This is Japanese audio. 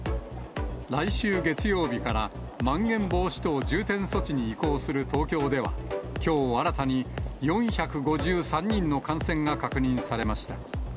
来週月曜日からまん延防止等重点措置に移行する東京では、きょう新たに４５３人の感染が確認されました。